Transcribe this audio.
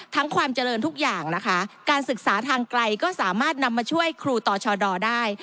ความเจริญทุกอย่างนะคะการศึกษาทางไกลก็สามารถนำมาช่วยครูต่อชดได้